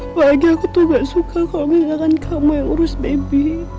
apalagi aku tuh gak suka kalau misalkan kamu yang urus baby